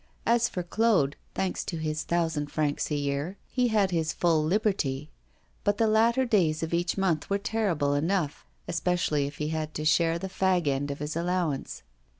As for Claude, thanks to his thousand francs a year, he had his full liberty; but the latter days of each month were terrible enough, especially if he had to share the fag end of his allowance.